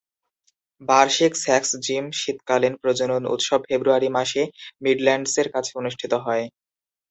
বার্ষিক স্যাক্স-জিম শীতকালীন প্রজনন উৎসব ফেব্রুয়ারি মাসে মিডল্যান্ডসের কাছে অনুষ্ঠিত হয়।